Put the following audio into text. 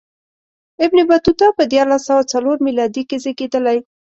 ابن بطوطه په دیارلس سوه څلور میلادي کې زېږېدلی.